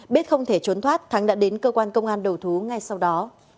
biết không thể trốn thoát thắng đã đến cơ quan công an đầu thú ngay sau đó